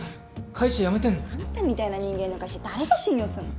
会社辞めてんの？あんたみたいな人間の会社誰が信用すんの？